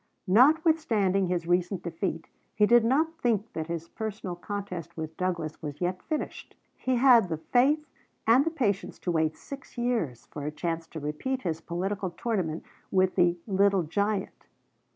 Notwithstanding his recent defeat, he did not think that his personal contest with Douglas was yet finished. He had the faith and the patience to wait six years for a chance to repeat his political tournament with the "Little Giant."